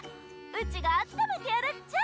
うちがあっためてやるっちゃ。